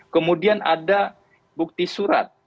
kemudian ada bukti surat